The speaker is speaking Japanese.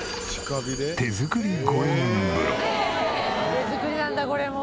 手作りなんだこれも。